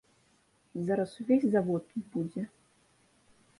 Зараз увесь завод тут будзе.